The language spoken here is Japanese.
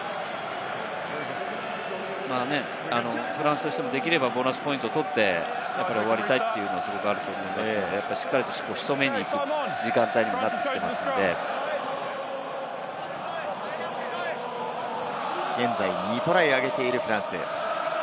フランスとしても、できればボーナスポイントを取って終わりたいという気持ちはあると思うんで、しっかりと仕留めに行く時間帯になってきますので、現在２トライを挙げているフランス。